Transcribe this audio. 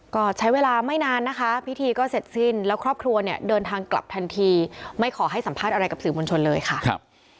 ก็ใช้เวลาไม่นานนะคะพิธีก็เสร็จสิ้นแล้วครอบครัวเนี่ยเดินทางกลับทันทีไม่ขอให้สัมภาษณ์อะไรกับสื่อมวลชนเลยค่ะครับ